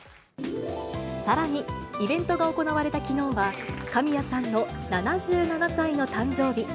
さらにイベントが行われたきのうは、神谷さんの７７歳の誕生日。